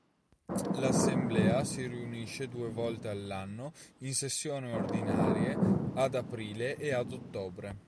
L'Assemblea si riunisce due volte all'anno in sessioni ordinarie ad aprile e ad ottobre.